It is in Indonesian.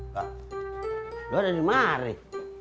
pak lu udah dimarik